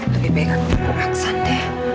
lebih baik aku buka aksan deh